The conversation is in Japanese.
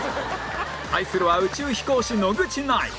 対するは宇宙飛行士野口ナイン